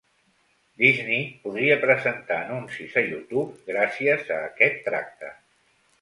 Disney podria presentar anuncis a YouTube gràcies a aquest tracte.